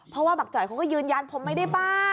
เพราะว่าบักจ่อยเขาก็ยืนยันผมไม่ได้บ้า